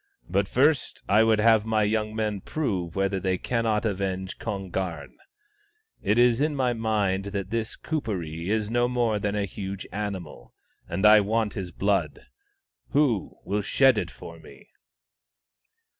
But first I would have my young men prove whether they cannot avenge Kon garn. It is in my mind that this Kuperee is no more than a huge animal ; and I want his blood. Who will shed it for me